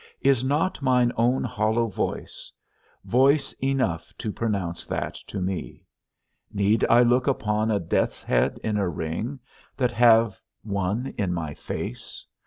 Is not mine own hollow voice, voice enough to pronounce that to me? Need I look upon a death's head in a ring, that have one in my face?